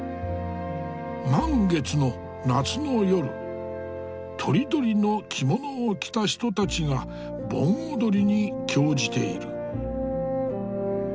満月の夏の夜とりどりの着物を着た人たちが盆踊りに興じている。